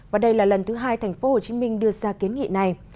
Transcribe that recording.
và đây là lần thứ hai tp hcm đưa ra kiến nghị này